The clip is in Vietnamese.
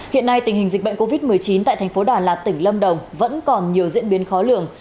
hiện nay tình hình dịch bệnh covid một mươi chín tại thành phố đà lạt tỉnh lâm đồng vẫn còn nhiều diễn biến khó lường